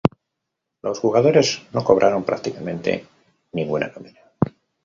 Los jugadores no cobraron prácticamente ninguna nómina.